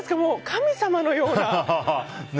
神様のような。